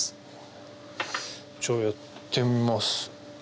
じゃあやってみます。